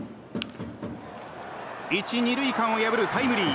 １、２塁間を破るタイムリー。